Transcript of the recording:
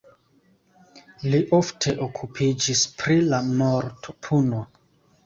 Li ofte okupiĝis pri la mortpuno.